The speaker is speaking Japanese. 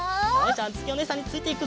あづきおねえさんについていくぞ。